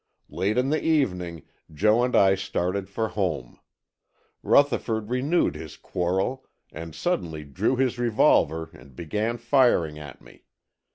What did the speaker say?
Late in the evening Joe and I started for home. Rutherford renewed his quarrel and suddenly drew his revolver and began firing at me.